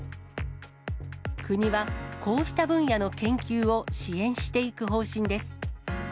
国はこうした分野の研究を支援していく方針です。